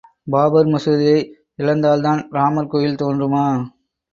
பாபர் மசூதியை இழந்தால்தான் இராமர் கோயில் தோன்றுமா?